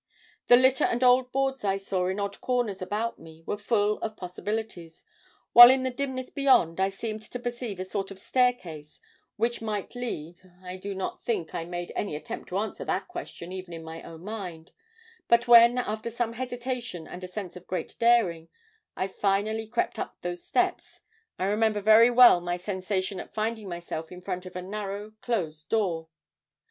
The litter and old boards I saw in odd corners about me were full of possibilities, while in the dimness beyond I seemed to perceive a sort of staircase which might lead I do not think I made any attempt to answer that question even in my own mind, but when, after some hesitation and a sense of great daring, I finally crept up those steps, I remember very well my sensation at finding myself in front of a narrow closed door.